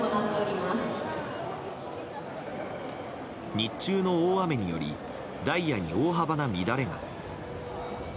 日中の大雨によりダイヤに大幅な乱れが。